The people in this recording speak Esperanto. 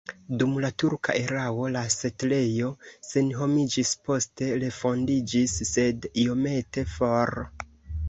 Dum la turka erao la setlejo senhomiĝis, poste refondiĝis, sed iomete for.